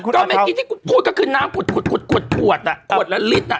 ก็เมื่อกี้ที่กูพูดก็คือน้ำขุดขุดขุดขวดขวดละลิตรน่ะ